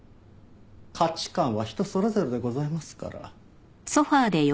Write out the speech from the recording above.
価値観は人それぞれでございますから。